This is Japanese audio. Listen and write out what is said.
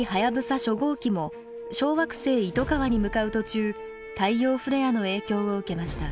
初号機も小惑星イトカワに向かう途中太陽フレアの影響を受けました。